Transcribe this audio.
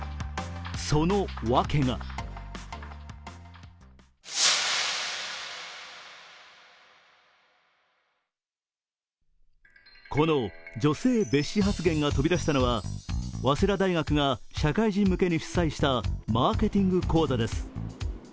そのワケがこの女性蔑視発言が飛び出したのは早稲田大学が社会人向けに主催したマーケティング講座です。